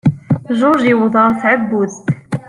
George iwet-it ɣer tɛebbuḍt.